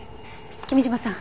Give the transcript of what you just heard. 君嶋さん